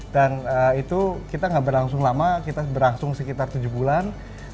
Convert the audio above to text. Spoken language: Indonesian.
dan itu kita tidak berlangsung lama kita berlangsung sekitar tujuh bulan